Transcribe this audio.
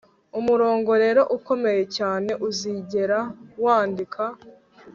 umurongo rero ukomeye cyane uzigera wandika